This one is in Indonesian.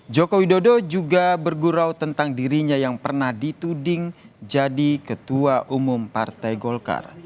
joko widodo juga bergurau tentang dirinya yang pernah dituding jadi ketua umum partai golkar